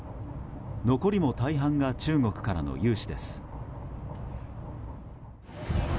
残りも大半が中国からの融資です。